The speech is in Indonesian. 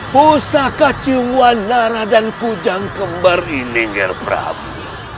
pusaka cingguanara dan kujangkembar ini nger prabu